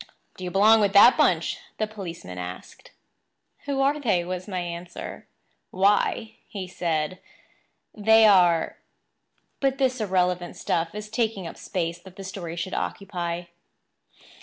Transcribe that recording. "Do you belong with that bunch?" the policeman asked. "Who are they?" was my answer. "Why," said he, "they are—" But this irrelevant stuff is taking up space that the story should occupy.